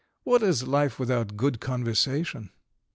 What is life without good conversation?"